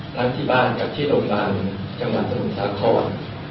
ทั้งที่บ้านกับที่โรงพยาบาลจังหวัดสมุทรสาคร